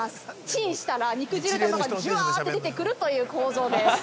チンしたら、肉汁玉がじわって出てくるという構造です。